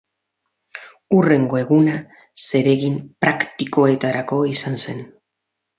Hurrengo eguna zeregin praktikoetarako izan zen.